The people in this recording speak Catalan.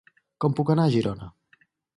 Com puc anar a Girona?